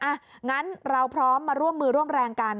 อ่ะงั้นเราพร้อมมาร่วมมือร่วมแรงกัน